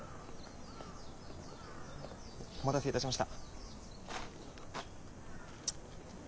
お待たせいたしました。